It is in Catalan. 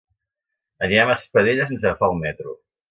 Anirem a Espadella sense agafar el metro.